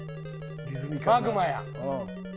マグマや！